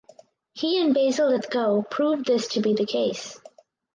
He and Basil Lythgoe proved this to be the case.